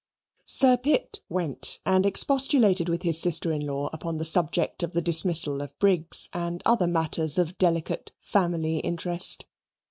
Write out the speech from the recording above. Sir Pitt went and expostulated with his sister in law upon the subject of the dismissal of Briggs and other matters of delicate family interest.